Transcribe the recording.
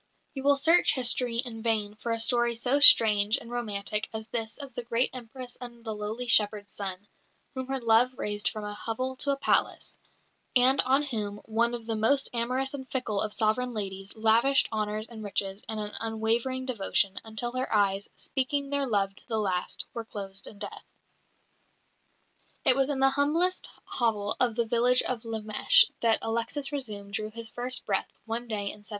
You will search history in vain for a story so strange and romantic as this of the great Empress and the lowly shepherd's son, whom her love raised from a hovel to a palace, and on whom one of the most amorous and fickle of sovereign ladies lavished honours and riches and an unwavering devotion, until her eyes, speaking their love to the last, were closed in death. It was in the humblest hovel of the village of Lemesh that Alexis Razoum drew his first breath one day in 1709.